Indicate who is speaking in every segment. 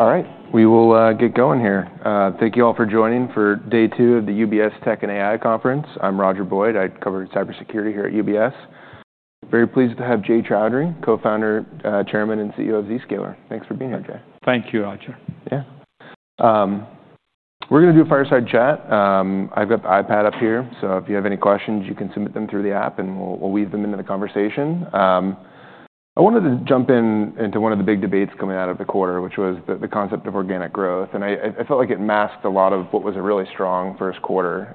Speaker 1: All right. We will get going here. Thank you all for joining for day two of the UBS Tech and AI Conference. I'm Roger Boyd. I cover cybersecurity here at UBS. Very pleased to have Jay Choudhry, co-founder, chairman, and CEO of Zscaler. Thanks for being here, Jay.
Speaker 2: Thank you, Roger.
Speaker 1: Yeah. We're gonna do a fireside chat. I've got the iPad up here, so if you have any questions, you can submit them through the app, and we'll, we'll weave them into the conversation. I wanted to jump in, into one of the big debates coming out of the quarter, which was the, the concept of organic growth. I felt like it masked a lot of what was a really strong first quarter.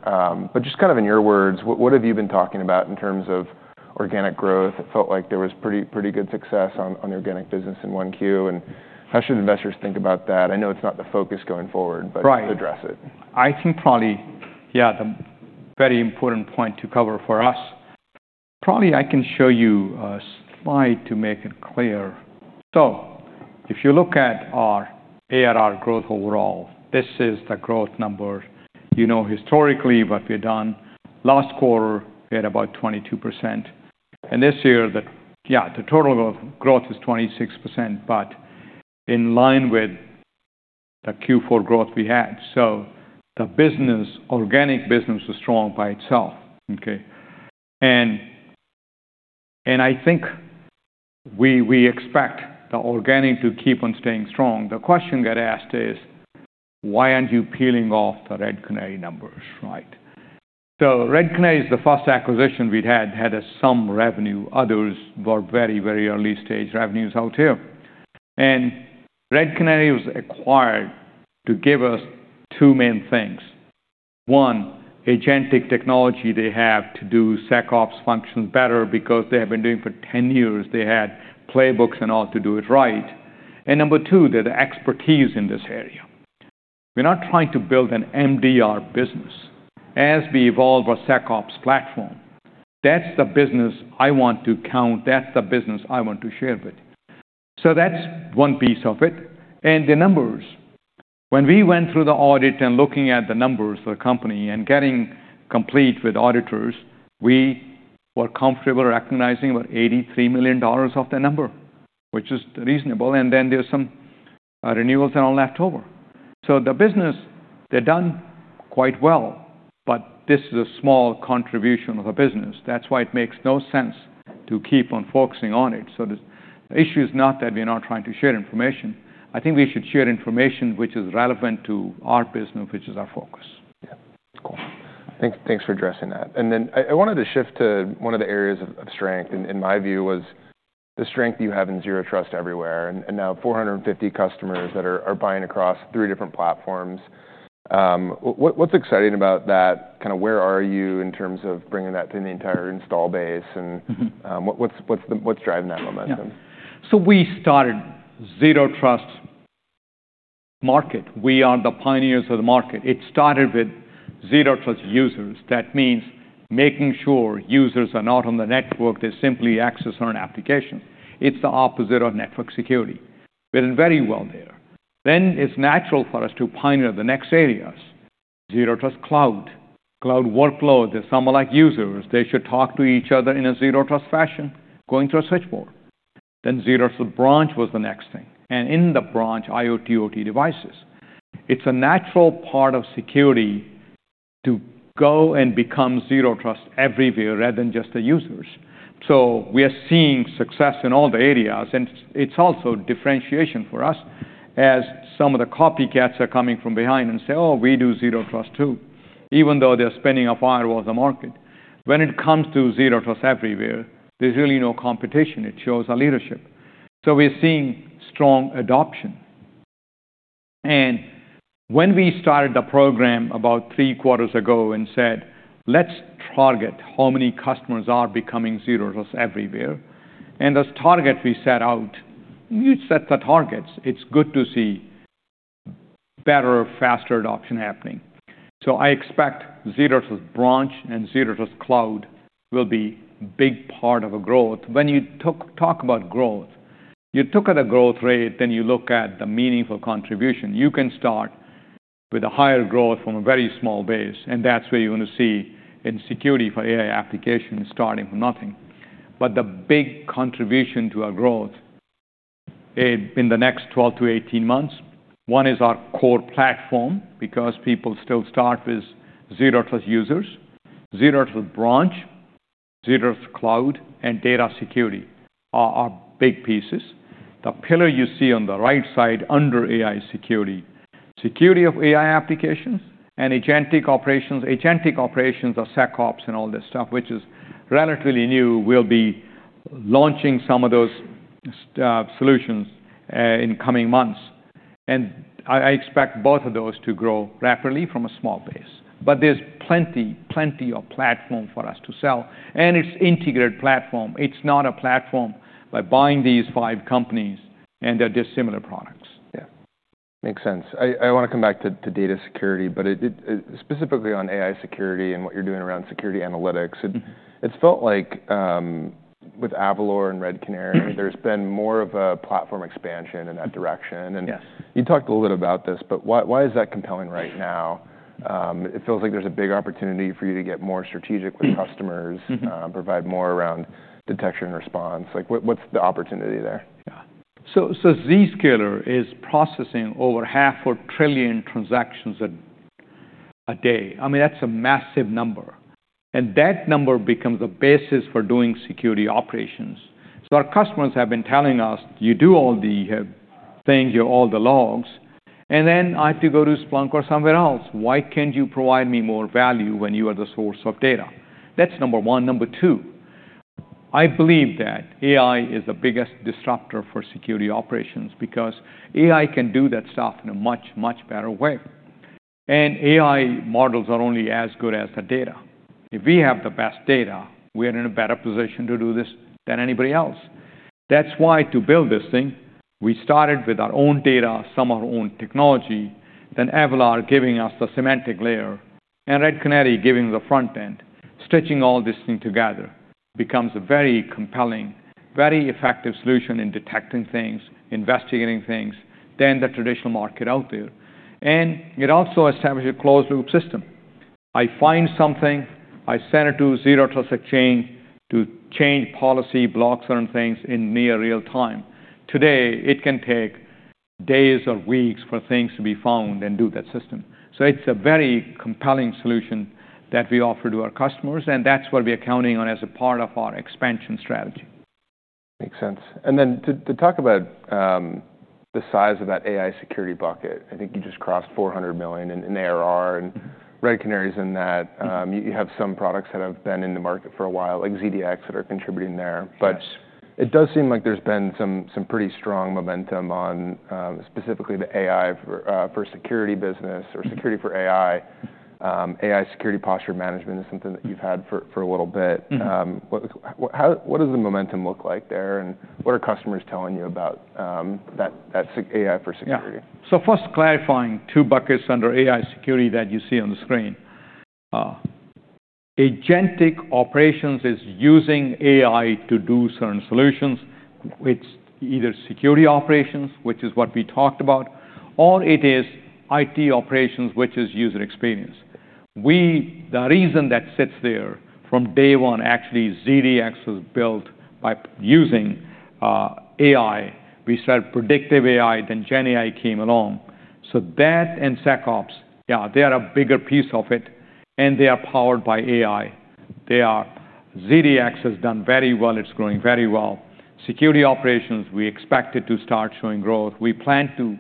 Speaker 1: Just kind of in your words, what have you been talking about in terms of organic growth? It felt like there was pretty, pretty good success on, on organic business in one Q. How should investors think about that? I know it's not the focus going forward.
Speaker 2: Right.
Speaker 1: Address it.
Speaker 2: I think probably, yeah, the very important point to cover for us. Probably I can show you a slide to make it clear. If you look at our ARR growth overall, this is the growth number. You know, historically, what we've done last quarter, we had about 22%. This year, the, yeah, the total growth, growth is 26%, but in line with the Q4 growth we had. The business, organic business, was strong by itself, okay? I think we expect the organic to keep on staying strong. The question got asked is, why aren't you peeling off the Red Canary numbers, right? Red Canary is the first acquisition we'd had, had a sum revenue. Others were very, very early stage revenues out here. Red Canary was acquired to give us two main things. One, agentic technology they have to do SecOps functions better because they have been doing for 10 years. They had playbooks and all to do it right. Number two, they have the expertise in this area. We're not trying to build an MDR business. As we evolve our SecOps platform, that's the business I want to count. That's the business I want to share with. That's one piece of it. The numbers, when we went through the audit and looking at the numbers of the company and getting complete with auditors, we were comfortable recognizing about $83 million off the number, which is reasonable. There are some renewals and all left over. The business, they've done quite well, but this is a small contribution of a business. That's why it makes no sense to keep on focusing on it. The issue is not that we're not trying to share information. I think we should share information which is relevant to our business, which is our focus.
Speaker 1: Yeah. Cool. Thanks, thanks for addressing that. I wanted to shift to one of the areas of strength. In my view, was the strength you have in Zero Trust Everywhere. Now 450 customers that are buying across three different platforms. What’s exciting about that? Kind of where are you in terms of bringing that to the entire install base? What’s driving that momentum?
Speaker 2: Yeah. So we started Zero Trust market. We are the pioneers of the market. It started with Zero Trust users. That means making sure users are not on the network. They simply access our applications. It's the opposite of network security. We're doing very well there. Then it's natural for us to pioneer the next areas, Zero Trust Cloud, Cloud workload. They're somewhat like users. They should talk to each other in a Zero Trust fashion, going through a switchboard. Zero Trust Branch was the next thing. In the branch, IoT, OT devices. It's a natural part of security to go and become Zero Trust Everywhere rather than just the users. We are seeing success in all the areas. It's also differentiation for us as some of the copycats are coming from behind and say, "Oh, we do Zero Trust too," even though they're spinning a firewall of the market. When it comes to Zero Trust Everywhere, there's really no competition. It shows our leadership. We're seeing strong adoption. When we started the program about three quarters ago and said, "Let's target how many customers are becoming Zero Trust Everywhere," and those targets we set out, you set the targets. It's good to see better, faster adoption happening. I expect Zero Trust Branch and Zero Trust Cloud will be a big part of growth. When you talk about growth, you took out the growth rate, then you look at the meaningful contribution. You can start with a higher growth from a very small base. That's where you're gonna see in security for AI applications starting from nothing. The big contribution to our growth in the next 12 to 18 months, one is our core platform because people still start with Zero Trust users, Zero Trust Branch, Zero Trust Cloud, and data security are our big pieces. The pillar you see on the right side under AI security, security of AI applications and agentic operations, agentic operations of SecOps and all this stuff, which is relatively new, we'll be launching some of those solutions in coming months. I expect both of those to grow rapidly from a small base. There's plenty, plenty of platform for us to sell. It's an integrated platform. It's not a platform by buying these five companies and they're dissimilar products.
Speaker 1: Yeah. Makes sense. I wanna come back to data security, but specifically on AI security and what you're doing around security analytics.
Speaker 2: Mm-hmm.
Speaker 1: It, it's felt like, with Avalor and Red Canary, there's been more of a platform expansion in that direction.
Speaker 2: Yes.
Speaker 1: You talked a little bit about this, but why, why is that compelling right now? It feels like there's a big opportunity for you to get more strategic with customers.
Speaker 2: Mm-hmm.
Speaker 1: provide more around detection and response. Like, what, what's the opportunity there?
Speaker 2: Yeah. Zscaler is processing over half a trillion transactions a day. I mean, that's a massive number. That number becomes a basis for doing security operations. Our customers have been telling us, "You do all the things, you have all the logs, and then I have to go to Splunk or somewhere else. Why can't you provide me more value when you are the source of data?" That's number one. Number two, I believe that AI is the biggest disruptor for security operations because AI can do that stuff in a much, much better way. AI models are only as good as the data. If we have the best data, we are in a better position to do this than anybody else. That's why to build this thing, we started with our own data, some of our own technology, then Avalor giving us the semantic layer and Red Canary giving the front end, stitching all this thing together, becomes a very compelling, very effective solution in detecting things, investigating things, than the traditional market out there. It also established a closed-loop system. I find something, I send it to Zero Trust Exchange to change policy, block certain things in near real time. Today, it can take days or weeks for things to be found and do that system. It is a very compelling solution that we offer to our customers. That is what we're accounting on as a part of our expansion strategy.
Speaker 1: Makes sense. To talk about the size of that AI security bucket, I think you just crossed $400 million in ARR and Red Canary is in that. You have some products that have been in the market for a while, like ZDX, that are contributing there.
Speaker 2: Yes.
Speaker 1: It does seem like there's been some pretty strong momentum on, specifically, the AI for security business or security for AI. AI security posture management is something that you've had for a little bit.
Speaker 2: Mm-hmm.
Speaker 1: What does the momentum look like there? What are customers telling you about that AI for security?
Speaker 2: Yeah. First, clarifying two buckets under AI security that you see on the screen. Agentic operations is using AI to do certain solutions. It's either security operations, which is what we talked about, or it is IT operations, which is user experience. The reason that sits there from day one, actually, ZDX was built by using AI. We started predictive AI, then Gen AI came along. That and SecOps, yeah, they are a bigger piece of it, and they are powered by AI. ZDX has done very well. It's growing very well. Security operations, we expect it to start showing growth. We plan to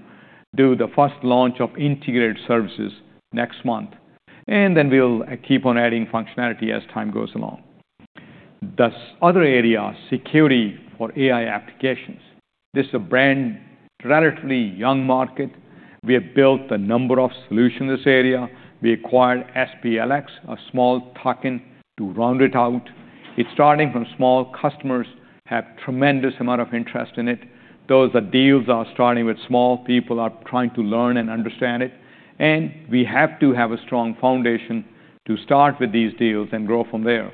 Speaker 2: do the first launch of integrated services next month. We will keep on adding functionality as time goes along. The other area, security for AI applications. This is a brand, relatively young market. We have built a number of solutions in this area. We acquired Avalor, a small token, to round it out. It's starting from small customers have tremendous amount of interest in it. Those are deals that are starting with small people are trying to learn and understand it and we have to have a strong foundation to start with these deals and grow from there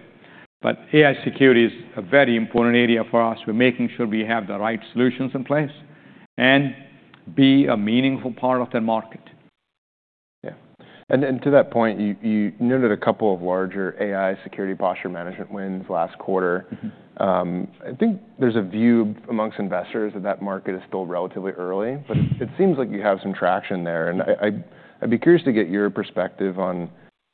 Speaker 2: but AI security is a very important area for us. We're making sure we have the right solutions in place and be a meaningful part of the market.
Speaker 1: Yeah. And to that point, you noted a couple of larger AI security posture management wins last quarter.
Speaker 2: Mm-hmm.
Speaker 1: I think there's a view amongst investors that that market is still relatively early, but it seems like you have some traction there. I'd be curious to get your perspective on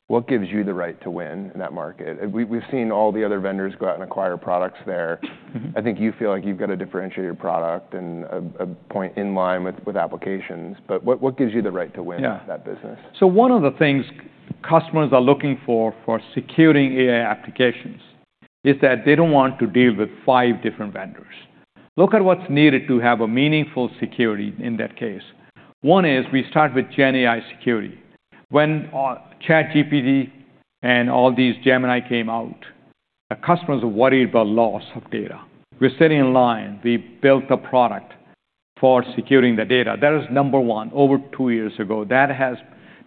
Speaker 1: what gives you the right to win in that market. We've seen all the other vendors go out and acquire products there.
Speaker 2: Mm-hmm.
Speaker 1: I think you feel like you've gotta differentiate your product and a point in line with applications. What gives you the right to win?
Speaker 2: Yeah.
Speaker 1: That business?
Speaker 2: So one of the things customers are looking for, for securing AI applications is that they do not want to deal with five different vendors. Look at what is needed to have meaningful security in that case. One is we start with GenAI security. When ChatGPT and all these Gemini came out, customers are worried about loss of data. We are sitting in line. We built a product for securing the data. That is number one. Over two years ago, that has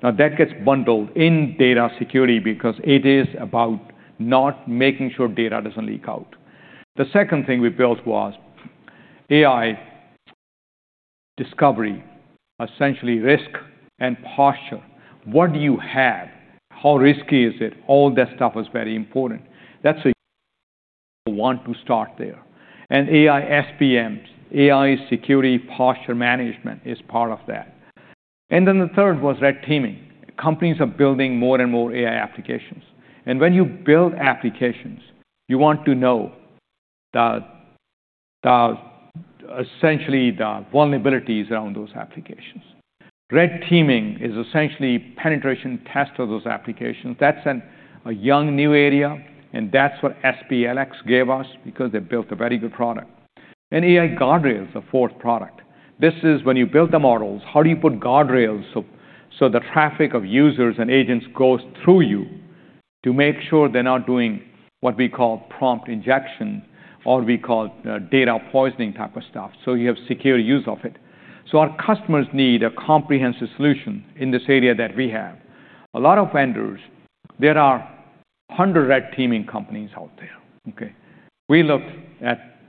Speaker 2: now, that gets bundled in data security because it is about not making sure data does not leak out. The second thing we built was AI discovery, essentially risk and posture. What do you have? How risky is it? All that stuff is very important. That is what you want to start there. And AI SPMs, AI security posture management is part of that. And the third was red teaming. Companies are building more and more AI applications. When you build applications, you want to know the, the essentially the vulnerabilities around those applications. Red teaming is essentially penetration tests of those applications. That's a young new area. That's what SPLX gave us because they built a very good product. And AI guardrails, the fourth product. This is when you build the models, how do you put guardrails so the traffic of users and agents goes through you to make sure they're not doing what we call prompt injection or we call data poisoning type of stuff. So you have secure use of it. Our customers need a comprehensive solution in this area that we have. A lot of vendors, there are a hundred red teaming companies out there.
Speaker 1: Okay?
Speaker 2: We looked at,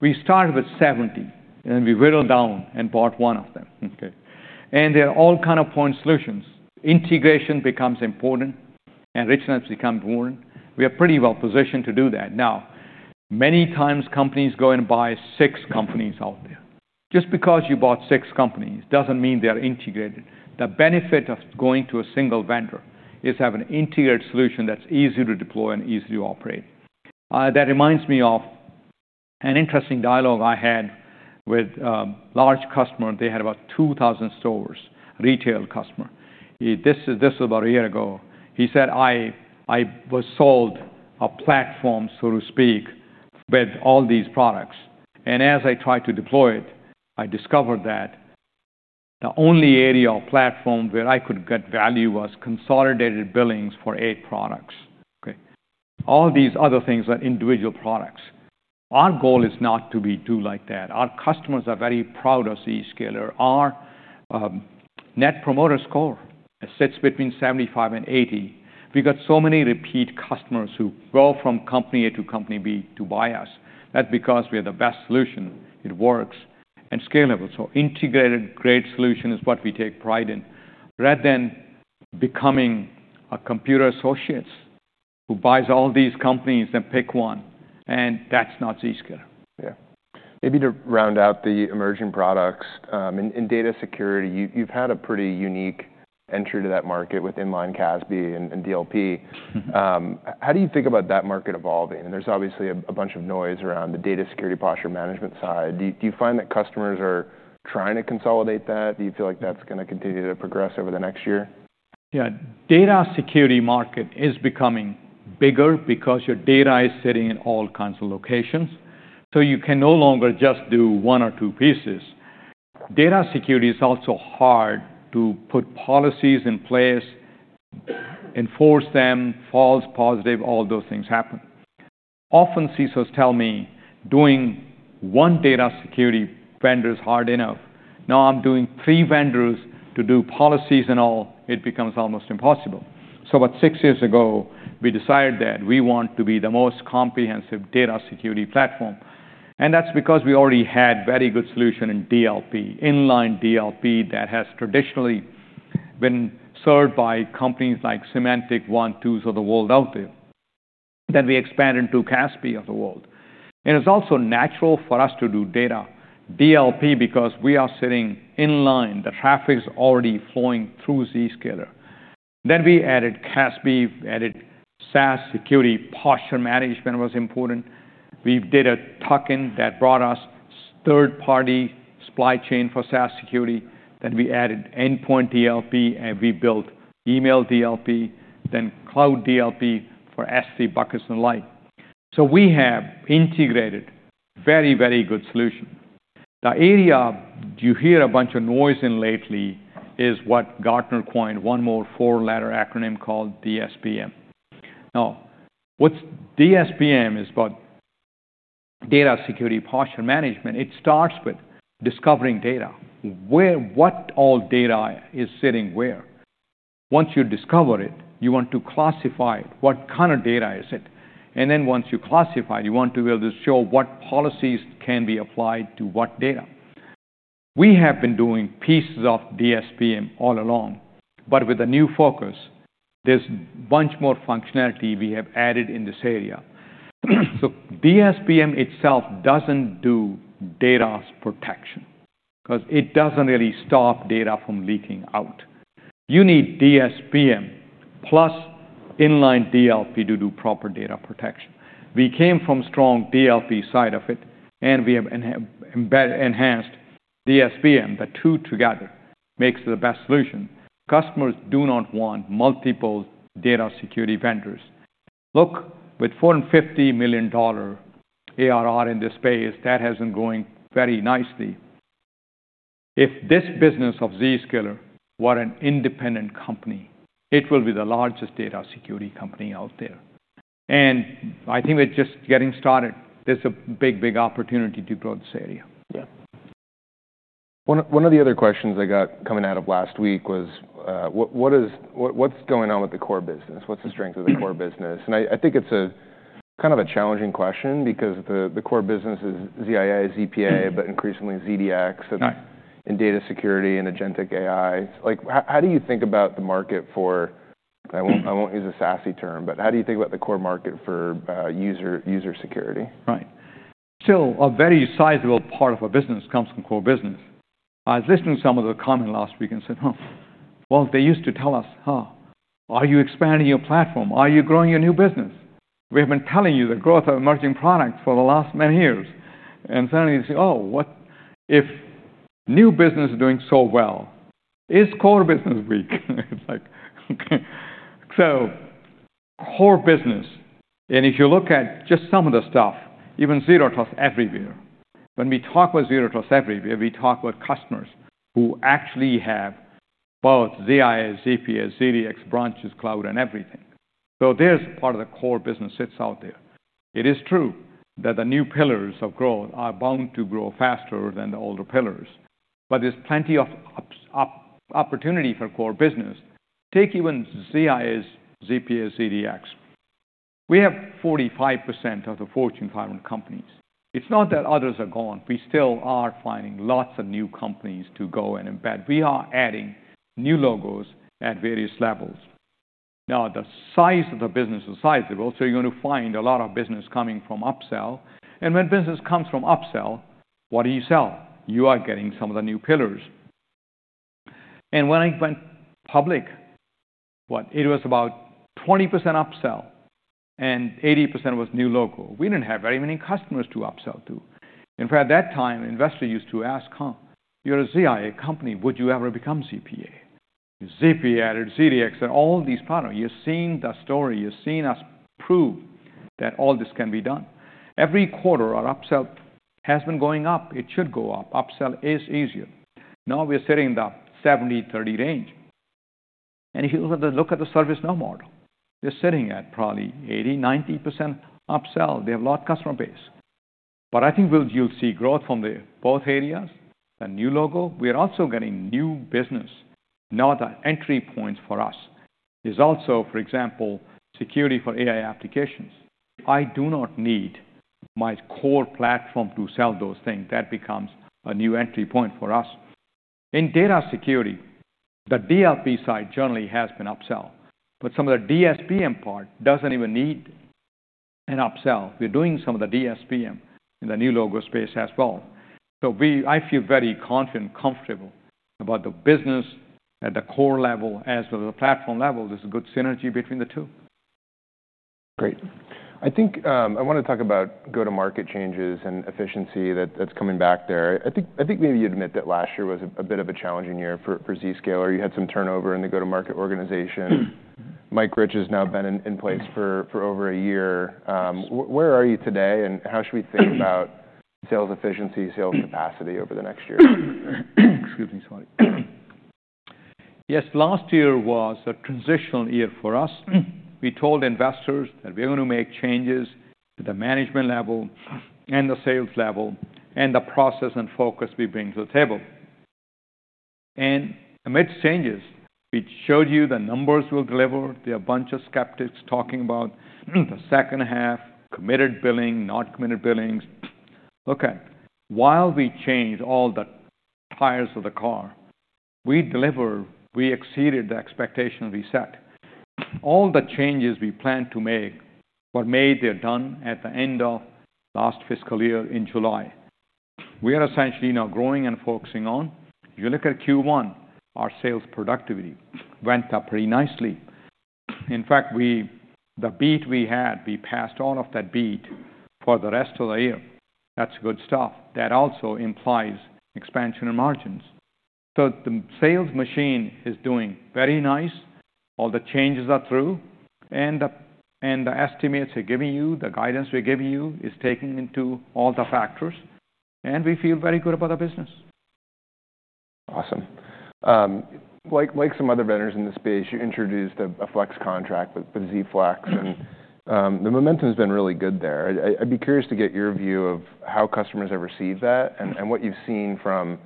Speaker 2: we started with 70, and we whittled down and bought one of them.
Speaker 1: Okay?
Speaker 2: And they're all kind of point solutions. Integration becomes important, and richness becomes important. We are pretty well positioned to do that. Now, many times companies go and buy six companies out there. Just because you bought six companies doesn't mean they're integrated. The benefit of going to a single vendor is having an integrated solution that's easy to deploy and easy to operate. That reminds me of an interesting dialogue I had with a large customer. They had about 2,000 stores, retail customer. This is, this was about a year ago. He said, "I, I was sold a platform, so to speak, with all these products. And as I tried to deploy it, I discovered that the only area or platform where I could get value was consolidated billings for eight products.
Speaker 1: Okay?
Speaker 2: All these other things are individual products. Our goal is not to do like that. Our customers are very proud of Zscaler. Our net promoter score sits between 75-80. We got so many repeat customers who go from company A to company B to buy us. That's because we are the best solution. It works and scalable. So integrated, great solution is what we take pride in, rather than becoming a Computer Associates who buys all these companies and pick one. That's not Zscaler.
Speaker 1: Yeah. Maybe to round out the emerging products, in, in data security, you, you've had a pretty unique entry to that market with Inline CASB and, and DLP.
Speaker 2: Mm-hmm.
Speaker 1: How do you think about that market evolving? There's obviously a bunch of noise around the Data Security Posture Management side. Do you find that customers are trying to consolidate that? Do you feel like that's gonna continue to progress over the next year?
Speaker 2: Yeah. Data security market is becoming bigger because your data is sitting in all kinds of locations. You can no longer just do one or two pieces. Data security is also hard to put policies in place, enforce them, false positive, all those things happen. Often CISOs tell me, "Doing one data security vendor's hard enough. Now I'm doing three vendors to do policies and all, it becomes almost impossible." So about six years ago, we decided that we want to be the most comprehensive data security platform and that's because we already had very good solution in DLP, inline DLP that has traditionally been served by companies like Symantec, Vontu of the world out there. We expanded to CASB of the world. It's also natural for us to do data DLP because we are sitting in line. The traffic's already flowing through Zscaler. Then we added CASB, added SaaS security posture management was important. We did a token that brought us third-party supply chain for SaaS security. Then we added endpoint DLP, and we built email DLP, then cloud DLP for S3 buckets and the like. So we have integrated very, very good solution. The area you hear a bunch of noise in lately is what Gartner coined one more four-letter acronym called DSPM. Now, what's DSPM is about data security posture management. It starts with discovering data. Where, what all data is sitting where? Once you discover it, you want to classify it. What kind of data is it? And then once you classify it, you want to be able to show what policies can be applied to what data. We have been doing pieces of DSPM all along, but with a new focus, there's a bunch more functionality we have added in this area. DSPM itself doesn't do data protection 'cause it doesn't really stop data from leaking out. You need DSPM plus inline DLP to do proper data protection. We came from strong DLP side of it, and we have enhanced DSPM. The two together makes the best solution. Customers do not want multiple data security vendors. Look, with $450 million ARR in this space, that has been going very nicely. If this business of Zscaler were an independent company, it will be the largest data security company out there and I think we're just getting started. There's a big, big opportunity to grow this area.
Speaker 1: Yeah. One of the other questions I got coming out of last week was, what is, what's going on with the core business? What's the strength of the core business? And I think it's a kind of a challenging question because the core business is ZIA, ZPA, but increasingly ZDX and.
Speaker 2: Right.
Speaker 1: Data security and agentic AI. Like, how, how do you think about the market for, I won't, I won't use a sassy term, but how do you think about the core market for, user, user security?
Speaker 2: Right. Still, a very sizable part of our business comes from core business. I was listening to some of the comment last week and said, "Oh, well, they used to tell us, 'Huh, are you expanding your platform? Are you growing your new business?' We have been telling you the growth of emerging products for the last many years." Suddenly you say, "Oh, what if new business is doing so well? Is core business weak?" It's like, okay. So core business, and if you look at just some of the stuff, even Zero Trust Everywhere, when we talk about Zero Trust Everywhere, we talk about customers who actually have both ZIA, ZPA, ZDX, branches, cloud, and everything. There's part of the core business sits out there. It is true that the new pillars of growth are bound to grow faster than the older pillars, but there's plenty of opportunity for core business. Take even ZIAs, ZPAs, ZDX. We have 45% of the Fortune 500 companies. It's not that others are gone. We still are finding lots of new companies to go and embed. We are adding new logos at various levels. Now, the size of the business is sizable, so you're gonna find a lot of business coming from upsell. When business comes from upsell, what do you sell? You are getting some of the new pillars and when I went public, what, it was about 20% upsell and 80% was new logo. We didn't have very many customers to upsell to. In fact, at that time, investors used to ask, "Huh, you're a ZIA company. Would you ever become ZPA? ZPA added ZDX and all these products. You've seen the story. You've seen us prove that all this can be done. Every quarter, our upsell has been going up. It should go up. Upsell is easier. Now we're sitting in the 70-30 range. If you look at the, look at the ServiceNow model, they're sitting at probably 80-90% upsell. They have a lot of customer base. I think you'll see growth from both areas, the new logo. We are also getting new business. Now the entry points for us is also, for example, security for AI applications. I do not need my core platform to sell those things. That becomes a new entry point for us. In data security, the DLP side generally has been upsell, but some of the DSPM part doesn't even need an upsell. We're doing some of the DSPM in the new logo space as well. So I feel very confident, comfortable about the business at the core level as well as the platform level. There's a good synergy between the two.
Speaker 1: Great. I think, I wanna talk about go-to-market changes and efficiency that, that's coming back there. I think, I think maybe you'd admit that last year was a bit of a challenging year for, for Zscaler. You had some turnover in the go-to-market organization.
Speaker 2: Mm-hmm.
Speaker 1: Mike Rich has now been in place for over a year. Where are you today, and how should we think about sales efficiency, sales capacity over the next year?
Speaker 2: Excuse me, sorry. Yes, last year was a transitional year for us. We told investors that we are gonna make changes to the management level and the sales level and the process and focus we bring to the table. Amidst changes, we showed you the numbers we'll deliver. There are a bunch of skeptics talking about the second half, committed billing, not committed billings. Okay. While we changed all the tires of the car, we delivered, we exceeded the expectation we set. All the changes we planned to make, what made they're done at the end of last fiscal year in July. We are essentially now growing and focusing on, if you look at Q1, our sales productivity went up pretty nicely. In fact, we, the beat we had, we passed all of that beat for the rest of the year. That's good stuff. That also implies expansion and margins. The sales machine is doing very nice. All the changes are through, and the estimates we're giving you, the guidance we're giving you is taking into all the factors, and we feel very good about the business.
Speaker 1: Awesome. Like, like some other vendors in the space, you introduced a flex contract with Zflex, and the momentum's been really good there. I'd be curious to get your view of how customers have received that and what you've seen from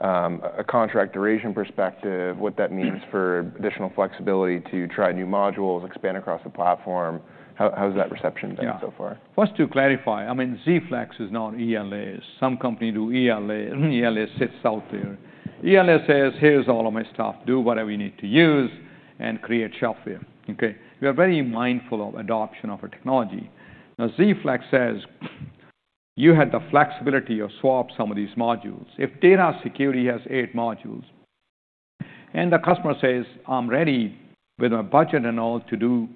Speaker 1: a contract duration perspective, what that means for additional flexibility to try new modules, expand across the platform. How's that reception been so far?
Speaker 2: Yeah. First, to clarify, I mean, Zflex is now an ELA. Some company do ELA. ELA sits out there. ELA says, "Here's all of my stuff. Do whatever you need to use and create shelfware."Okay? We are very mindful of adoption of our technology. Now, Zflex says, "You had the flexibility of swap some of these modules." If data security has eight modules and the customer says, "I'm ready with my budget and all to do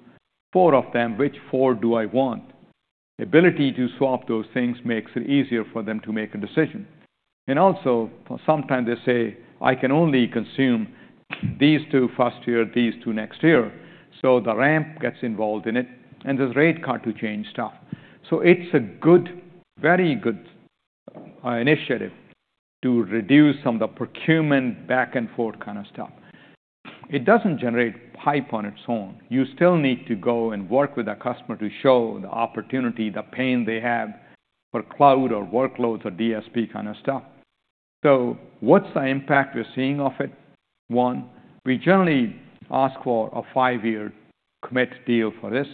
Speaker 2: four of them, which four do I want?" The ability to swap those things makes it easier for them to make a decision. Also, sometimes they say, "I can only consume these two first year, these two next year." So the ramp gets involved in it, and there's rate cut to change stuff. It is a good, very good, initiative to reduce some of the procurement back and forth kind of stuff. It doesn't generate hype on its own. You still need to go and work with a customer to show the opportunity, the pain they have for cloud or workloads or DSP kind of stuff. So what's the impact we're seeing of it? One, we generally ask for a five-year commit deal for this.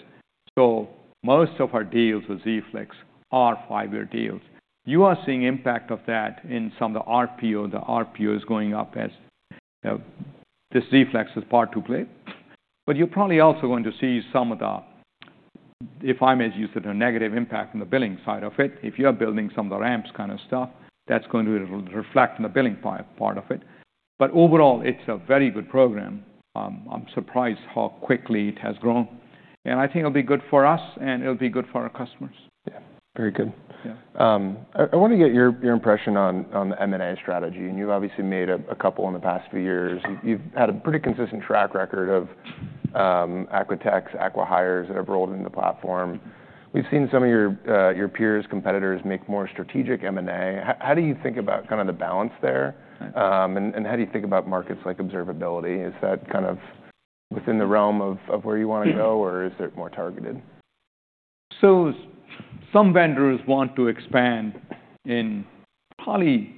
Speaker 2: Most of our deals with Zflex are five-year deals. You are seeing impact of that in some of the RPO. The RPO is going up as this Zflex is part to play. You're probably also going to see some of the, if I may use the term, negative impact on the billing side of it. If you are building some of the ramps kind of stuff, that's going to reflect on the billing part of it. Overall, it's a very good program. I'm surprised how quickly it has grown, and I think it'll be good for us, and it'll be good for our customers.
Speaker 1: Yeah. Very good.
Speaker 2: Yeah.
Speaker 1: I wanna get your impression on the M&A strategy. And you've obviously made a couple in the past few years. You've had a pretty consistent track record of, Aqua Techs, Aqua Hires that have rolled into the platform. We've seen some of your peers, competitors make more strategic M&A. How do you think about kind of the balance there? And how do you think about markets like observability? Is that kind of within the realm of where you wanna go, or is it more targeted?
Speaker 2: So some vendors want to expand in probably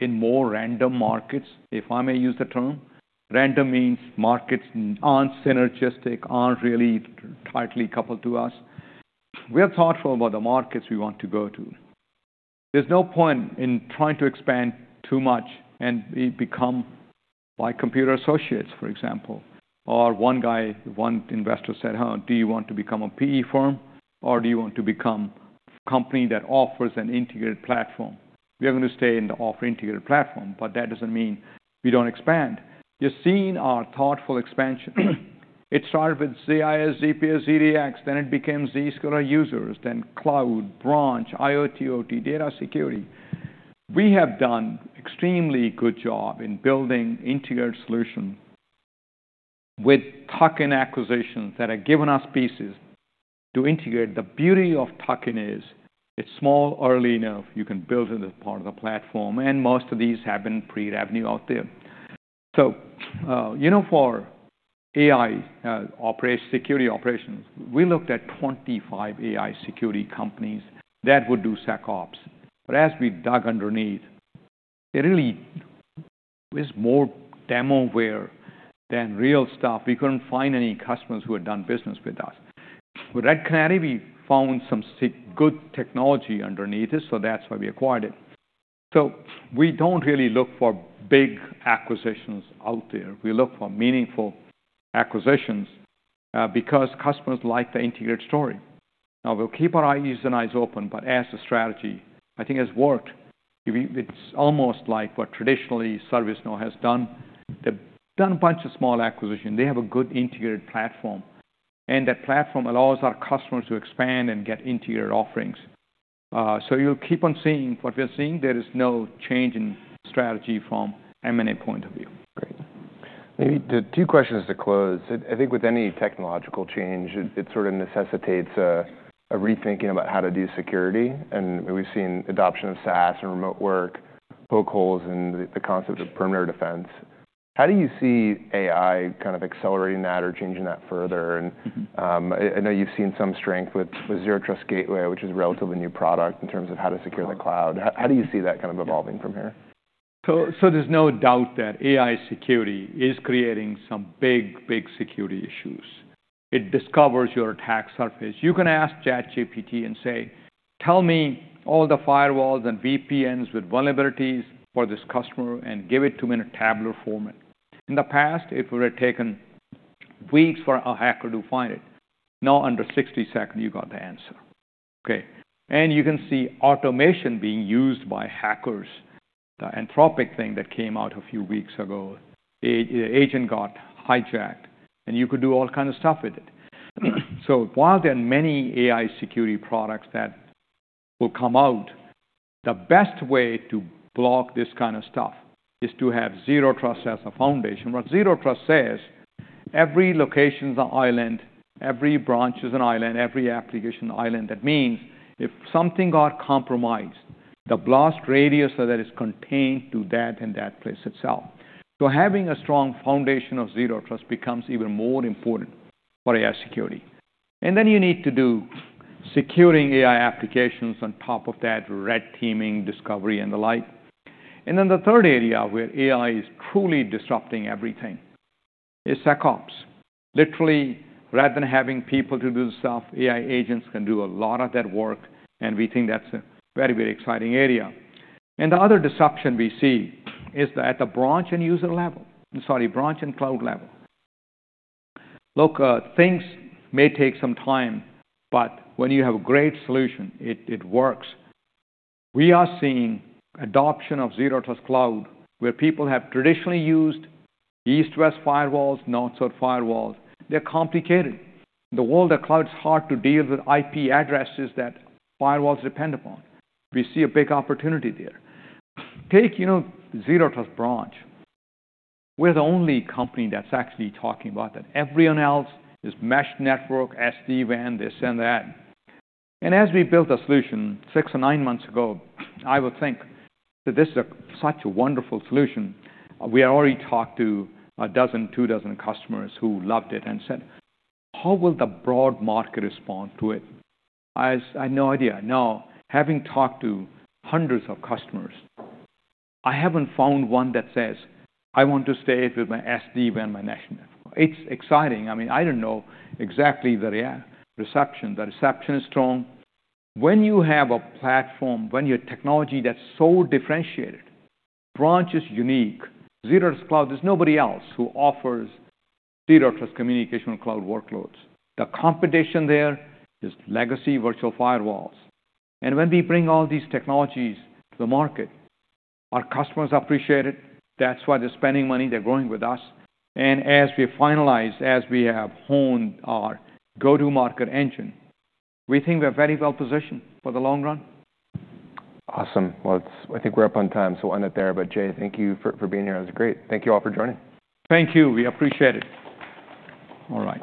Speaker 2: in more random markets, if I may use the term. Random means markets aren't synergistic, aren't really tightly coupled to us. We are thoughtful about the markets we want to go to. There's no point in trying to expand too much and become by Computer Associates, for example. Or one guy, one investor said, "Huh, do you want to become a PE firm or do you want to become a company that offers an integrated platform?" We are gonna stay in the offer integrated platform, but that doesn't mean we don't expand. You've seen our thoughtful expansion. It started with ZIA, ZPA, ZDX, then it became Zscaler for Users, then cloud, branch, IoT, OT, data security. We have done an extremely good job in building integrated solutions with token acquisitions that have given us pieces to integrate. The beauty of token is it's small, early enough, you can build it as part of the platform, and most of these have been pre-revenue out there. So you know, for AI, operation security operations, we looked at 25 AI security companies that would do SecOps. As we dug underneath, there really was more demo where than real stuff. We couldn't find any customers who had done business with us. With Red Canary, we found some good technology underneath it, so that's why we acquired it. So we don't really look for big acquisitions out there. We look for meaningful acquisitions, because customers like the integrated story. We'll keep our eyes and eyes open, but as the strategy, I think, has worked, it's almost like what traditionally ServiceNow has done. They've done a bunch of small acquisitions. They have a good integrated platform, and that platform allows our customers to expand and get integrated offerings. You'll keep on seeing what we're seeing. There is no change in strategy from M&A point of view.
Speaker 1: Great. Maybe the two questions to close. I think with any technological change, it sort of necessitates a rethinking about how to do security. We've seen adoption of SaaS and remote work poke holes in the concept of perimeter defense. How do you see AI kind of accelerating that or changing that further? I know you've seen some strength with Zero Trust Gateway, which is a relatively new product in terms of how to secure the cloud. How do you see that kind of evolving from here?
Speaker 2: There is no doubt that AI security is creating some big, big security issues. It discovers your attack surface. You can ask ChatGPT and say, "Tell me all the firewalls and VPNs with vulnerabilities for this customer and give it to me in a tabular format." In the past, it would've taken weeks for a hacker to find it. Now, under 60 seconds, you got the answer. You can see automation being used by hackers. The Anthropic thing that came out a few weeks ago, the agent got hijacked, and you could do all kinds of stuff with it. So while there are many AI security products that will come out, the best way to block this kind of stuff is to have Zero Trust as a foundation. What Zero Trust says, every location's an island, every branch is an island, every application island. That means if something got compromised, the blast radius is contained to that and that place itself. Having a strong foundation of Zero Trust becomes even more important for AI security. You need to do securing AI applications on top of that, red teaming, discovery, and the like. The third area where AI is truly disrupting everything is SecOps. Literally, rather than having people do the stuff, AI agents can do a lot of that work, and we think that is a very, very exciting area. The other disruption we see is at the branch and user level, sorry, branch and cloud level. Look, things may take some time, but when you have a great solution, it works. We are seeing adoption of Zero Trust Cloud, where people have traditionally used East-West firewalls, North-South firewalls. They are complicated. In the world of cloud, it's hard to deal with IP addresses that firewalls depend upon. We see a big opportunity there. Take, you know, Zero Trust Branch. We're the only company that's actually talking about that. Everyone else is mesh network, SD-WAN, this and that. As we built a solution six or nine months ago, I would think that this is such a wonderful solution. We had already talked to a dozen, two dozen customers who loved it and said, "How will the broad market respond to it?" I had no idea. Now, having talked to hundreds of customers, I haven't found one that says, "I want to stay with my SD-WAN, my mesh network." It's exciting. I mean, I don't know exactly the reception. The reception is strong. When you have a platform, when you have technology that's so differentiated, branch is unique. Zero Trust Cloud, there's nobody else who offers Zero Trust communication or cloud workloads. The competition there is legacy virtual firewalls and when we bring all these technologies to the market, our customers appreciate it. That's why they're spending money. They're growing with us. As we finalize, as we have honed our go-to-market engine, we think we're very well positioned for the long run.
Speaker 1: Awesome. I think we're up on time, so we'll end it there. Jay, thank you for being here. It was great. Thank you all for joining.
Speaker 2: Thank you. We appreciate it.
Speaker 1: All right.